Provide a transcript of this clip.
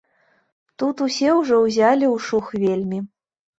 Тут усе ўжо ўзялі ў шух вельмі.